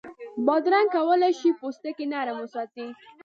بادرنګ کولای شي پوستکی نرم وساتي.